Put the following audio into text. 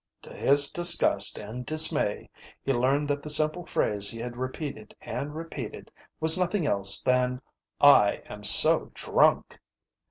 To his disgust and dismay, he learned that the simple phrase he had repeated and repeated was nothing else than "I am so drunk."